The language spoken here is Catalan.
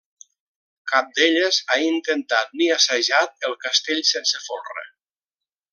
Cap d'elles ha intentat ni assajat el castell sense folre.